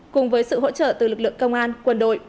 cùng với sự hỗ trợ từ lực lượng công an quân đội